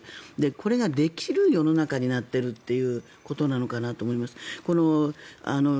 これができる世の中になっているということなのかなと思います。